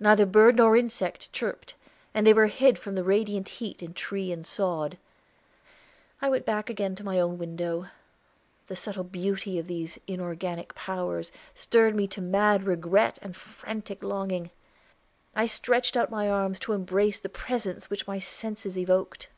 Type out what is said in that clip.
Neither bird nor insect chirped; they were hid from the radiant heat in tree and sod. I went back again to my own window. The subtle beauty of these inorganic powers stirred me to mad regret and frantic longing. I stretched out my arms to embrace the presence which my senses evoked.